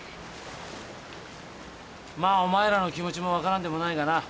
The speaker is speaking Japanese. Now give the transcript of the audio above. まあお前らの気持ちも分からんでもないがな。